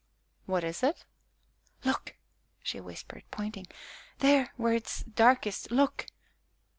"What is it?" "Look!" she whispered, pointing, "there where it is darkest look!"